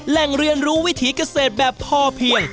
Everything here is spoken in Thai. แหล่งเรียนรู้วิถีเกษตรแบบพอเพียง